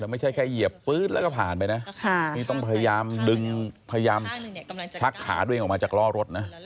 แต่ไม่ใช่แค่เหยียบปื๊ดแล้วก็ผ่านไปนะนี่ต้องพยายามดึงพยายามชักขาตัวเองออกมาจากล้อรถนะ